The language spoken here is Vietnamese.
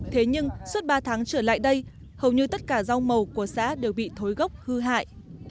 thế nhưng suốt ba tháng trở lại đây hầu như tất cả rau màu của xã đều bị thối gốc hư hại